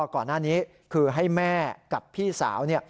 ก่อนหน้านี้คือให้แม่กับพี่สาว